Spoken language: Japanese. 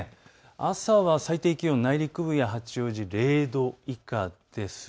朝は最低気温、内陸部や八王子０度以下です。